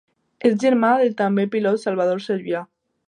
És germà del també pilot Salvador Servià.